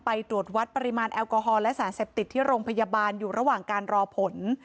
ไปตรวจวัดปริมาณแอลกอฮอลและสารเสพติดที่โรงพยาบาลอยู่ระหว่างการรอผล